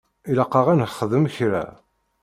Ilaq-aɣ ad nexdem kra.